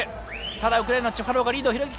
ただウクライナのチュファロウがリードを広げてきた！